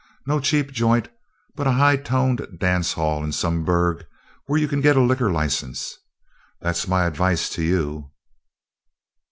No cheap joint, but a high toned dance hall in some burg where you can get a liquor license. That's my advice to you."